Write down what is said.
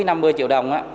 đến dưới năm mươi triệu đồng